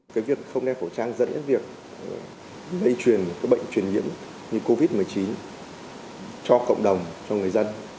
cái việc không đeo khẩu trang dẫn đến việc lây truyền cái bệnh truyền nhiễm như covid một mươi chín cho cộng đồng cho người dân